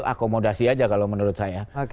akomodasi aja kalau menurut saya